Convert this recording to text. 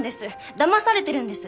騙されてるんです！